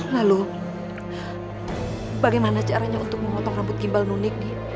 lalu bagaimana caranya untuk memotong rambut gimbal nunik